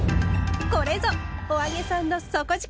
これぞ「“お揚げさん”の底力！」。